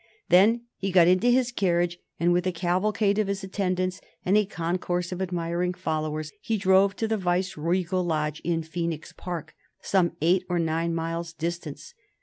Then he got into his carriage, and with a cavalcade of his attendants and a concourse of admiring followers he drove to the Viceregal Lodge in Phoenix Park, some eight or nine miles' distance.